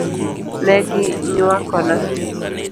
Ne gi nywakona .